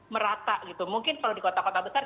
merata gitu mungkin kalau di kota kota besar